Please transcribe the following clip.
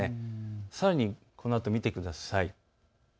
さらに、このあと見てください。